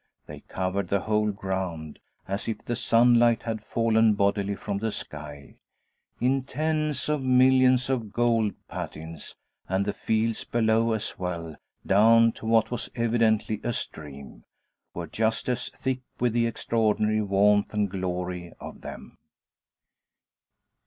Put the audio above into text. They covered the whole ground, as if the sunlight had fallen bodily from the sky, in tens of millions of gold patines; and the fields below as well, down to what was evidently a stream, were just as thick with the extraordinary warmth and glory of them.